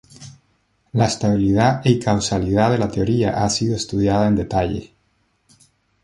La estabilidad y causalidad de la teoría ha sido estudiada en detalle.